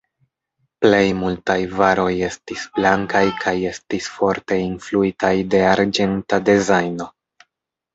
Plej multaj varoj estis blankaj kaj estis forte influitaj de arĝenta dezajno.